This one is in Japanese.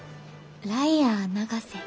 「ライアー永瀬」？